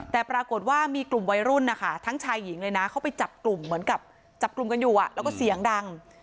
แต่ปรากฏว่ามีกลุ่มวัยรุ่นนะคะทั้งชายหญิงเลยนะเขาไปจับกลุ่มเหมือนกับจับกลุ่มกันอยู่แล้วก็เสียงดัง